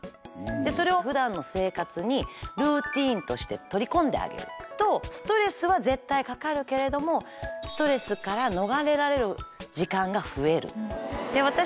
それを普段の生活にルーティンとして取り込んであげるとストレスは絶対かかるけれどもストレスから逃れられる時間が増える。